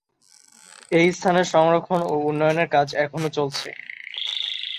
এই স্থানের সংরক্ষণ ও উন্নয়নের কাজ এখনও চলছে।